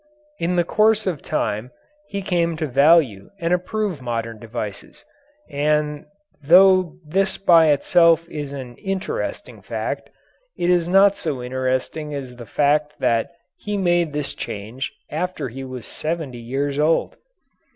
In the course of time he came to value and approve modern devices, and though this by itself is an interesting fact, it is not so interesting as the fact that he made this change after he was seventy years old.